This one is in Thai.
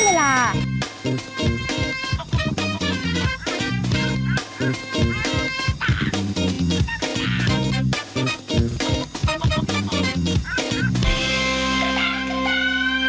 คุณแฟนคุณแฟน